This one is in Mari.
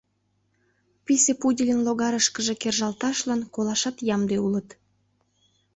Писе пудельын логарышкыже кержалташлан колашат ямде улыт.